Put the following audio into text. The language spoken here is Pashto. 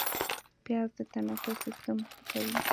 پیاز د تنفس سیستم ښه کوي